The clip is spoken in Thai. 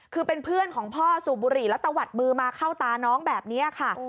คือเป็นเพื่อนของพ่อสูบบุหรี่แล้วตะวัดมือมาเข้าตาน้องแบบนี้ค่ะ